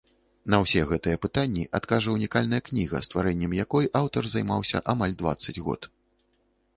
На ўсе гэтыя пытанні адкажа ўнікальная кніга, стварэннем якой аўтар займаўся амаль дваццаць год.